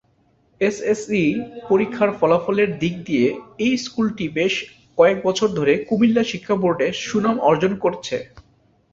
S S C পরীক্ষার ফলাফলের দিক দিয়ে, এই স্কুলটি বেশ কয়েক বছর ধরে কুমিল্লা শিক্ষা বোর্ডে সুনাম অর্জন করছে।